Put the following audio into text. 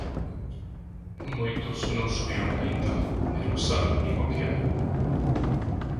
Moitos non subiron aínda e non saben nin o que hai.